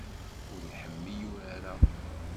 Ur iḥemmel urar-a.